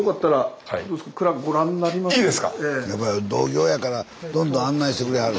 やっぱり同業やからどんどん案内してくれはる。